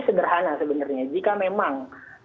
sederhana sebenarnya jika memang